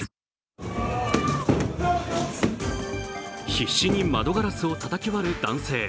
必死に窓ガラスをたたき割る男性。